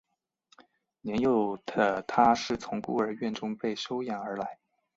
年幼的他是从孤儿院中被收养而来。